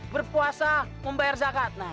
berpuasa membayar zakat